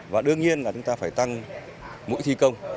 và đương nhiên là chúng ta phải tăng mũi thi công